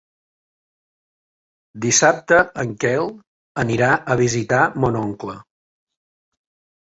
Dissabte en Quel anirà a visitar mon oncle.